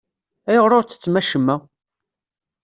Ayɣer ur ttettem acemma?